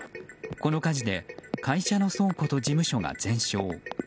この火事で会社の倉庫と事務所が全焼。